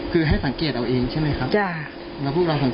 คือให้สังเกตเอาเองใช่ไหมครับ